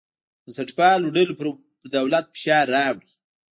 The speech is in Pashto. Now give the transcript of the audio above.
بنسټپالو ډلو پر دولت فشار راوړی.